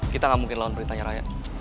kita gak mungkin lawan perintahnya rayang